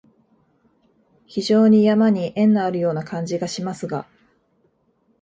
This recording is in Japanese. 非常に山に縁のあるような感じがしますが、